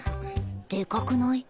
でかくない？